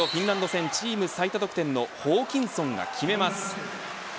これを、フィンランド戦チーム最多得点のホーキンソンが決めます。